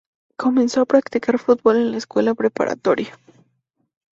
Comenzó a practicar fútbol en la escuela preparatoria.